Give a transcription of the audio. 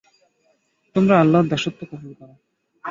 তোমরা আল্লাহর দাসত্ব কবুল কর।